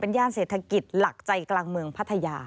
ย่านเศรษฐกิจหลักใจกลางเมืองพัทยา